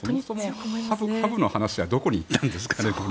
ハブの話はどこに行ったんですかね。